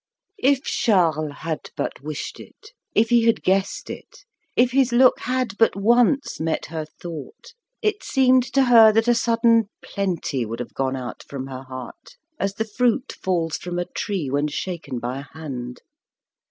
If Charles had but wished it, if he had guessed it, if his look had but once met her thought, it seemed to her that a sudden plenty would have gone out from her heart, as the fruit falls from a tree when shaken by a hand.